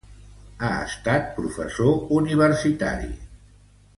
Ha estat professor universitari.